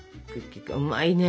うまいね。